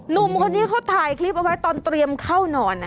หนุ่มคนนี้เขาถ่ายคลิปเอาไว้ตอนเตรียมเข้านอน